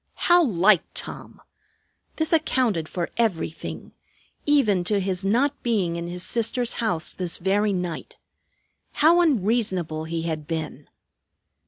How like Tom! This accounted for everything, even to his not being in his sister's house this very night. How unreasonable he had been!